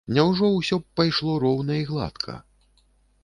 Няўжо ўсё б пайшло роўна і гладка?